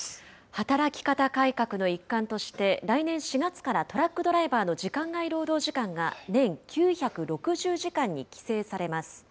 働き方改革の一環として、来年４月からトラックドライバーの時間外労働時間が年９６０時間に規制されます。